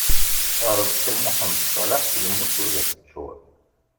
Aṛeẓqi Muḥend Ṣaleḥ, yemmut ur d as-teččur.